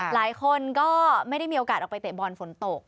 หลายคนก็ไม่ได้มีโอกาสออกไปเตะบอลฝนตก